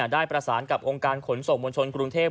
ได้ประสานกับองค์การขนส่งมวลชนกรุงเทพ